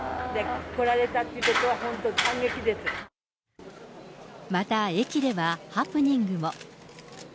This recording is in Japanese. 来られたっていうことは本当、また駅では、ハプニングも。